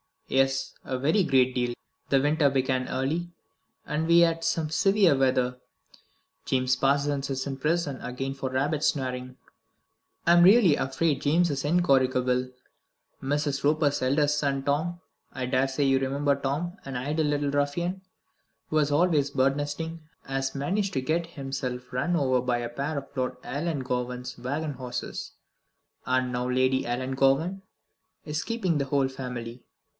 Yes, a very great deal. The winter began early, and we have had some severe weather. James Parsons is in prison again for rabbit snaring. I'm really afraid James is incorrigible. Mrs. Roper's eldest son, Tom I daresay you remember Tom, an idle little ruffian, who was always birdnesting has managed to get himself run over by a pair of Lord Ellangowan's waggon horses, and now Lady Ellangowan is keeping the whole family.